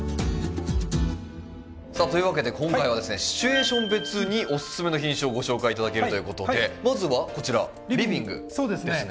というわけで今回はシチュエーション別にオススメの品種をご紹介頂けるという事でまずはこちらリビングですね。